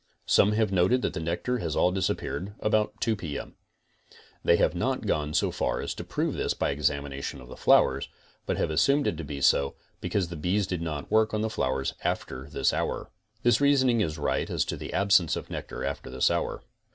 Some have noted that the nectar has ali disappeared about 2 P. M. They have not gone so far as to prove this by an examination of the flowers, but have assumed it to be so, because the bees did not work on the flowers after this hour. This reasoning is right as to the ab sence of nectar after this hour.